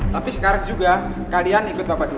tapi sekarang juga kalian ikut bapak dulu